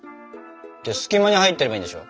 隙間に入ってればいいんでしょ。